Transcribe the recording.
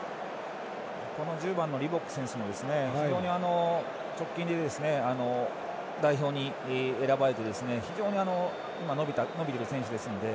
１０番のリボック選手も直近で代表に選ばれて非常に伸びている選手ですので。